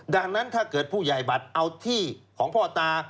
ดังนั้นถ้าเกิดผู้ใหญ่บัตรเอาที่ของพ่อตา